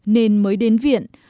nên mới đến viện